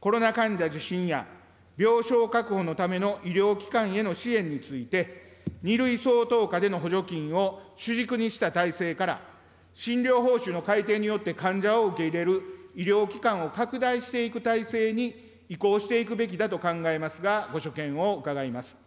コロナ患者受診や、病床確保のための医療機関への支援について、２類相当下での補助金を主軸にした体制から、診療報酬の改定によって患者を受け入れる医療機関を拡大していく体制に移行していくべきだと考えますが、ご所見を伺います。